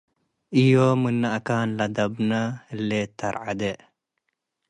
ዮም ምነ አካነ ለደብነ ህሌት ተርዐዴ